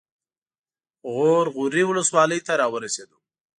غور غوري ولسوالۍ ته راورسېدو.